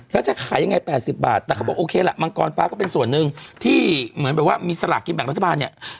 แล้วจะขายยังไง๘๐บาทแต่เขาบอกโอเคล่ะมังกรฟ้าก็เป็นส่วนหนึ่งที่เหมือนแบบว่ามีสลากกินแบ่งรัฐบาลเนี่ย